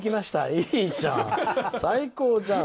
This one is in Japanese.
いいじゃん、最高じゃん！